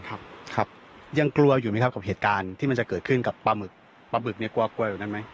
ครับครับยังกลัวอยู่ไหมครับกับเหตุการณ์ที่มันจะเกิดขึ้นกับปลาหมึกปลาหมึกเนี่ยกลัวกลัวแบบนั้นไหม